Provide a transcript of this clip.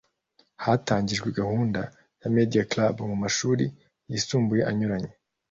hatangijwe gahunda ya media clubs mu mashuri yisumbuye anyuranye